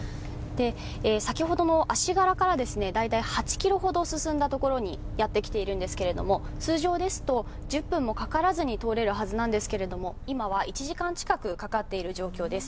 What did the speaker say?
先ほどの足柄から大体８ｋｍほど進んだところに来ているんですが通常ですと１０分もかからずに通れる場所なんですけれども今は１時間近くかかっている状況です。